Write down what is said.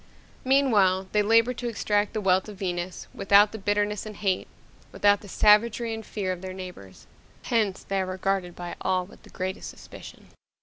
Meanwhile, they labor to extract the wealth of Venus without the bitterness and hate, without the savagery and fear of their neighbors. Hence, they are regarded by all with the greatest suspicion.